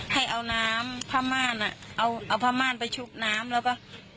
ให้เอาน้ำผ้าม่านอ่ะเอาเอาผ้าม่านไปชุบน้ำแล้วก็